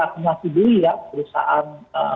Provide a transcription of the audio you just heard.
akumulasi beli ya perusahaan